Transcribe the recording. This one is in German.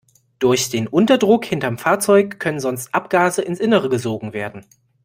Durch den Unterdruck hinterm Fahrzeug können sonst Abgase ins Innere gesogen werden.